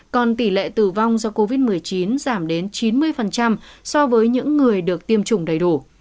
còn tỷ lệ tử vong do covid một mươi chín giảm đến chín mươi so với những người được tiêm chủng đầy đủ